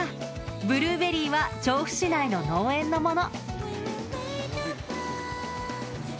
ブルーベリーは調布市内の農園のもの。